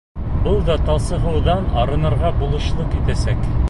Был да талсығыуҙан арынырға булышлыҡ итәсәк.